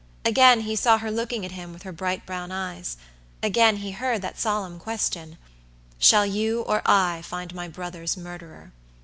Again he saw her looking at him with her bright brown eyes. Again he heard that solemn question: "Shall you or I find my brother's murderer?"